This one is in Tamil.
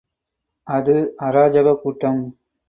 அது, அராஜகக் கூட்டம்.